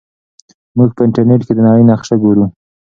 موږ په انټرنیټ کې د نړۍ نقشه ګورو.